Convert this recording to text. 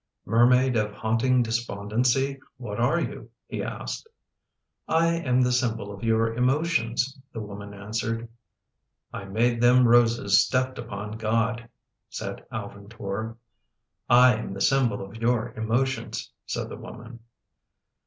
" Mermaid of haunting despondency, what are you? " he asked. " I am the symbol of your emotions/' the woman answered. " I made them roses stepped upon by God/' said Alvin Tor. " I am the symbol of your emotions/' said the woman.